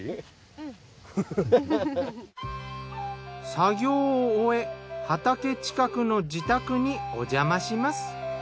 作業を終え畑近くの自宅におじゃまします。